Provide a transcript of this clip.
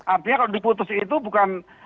ampanya kalau diputus itu bukan usaha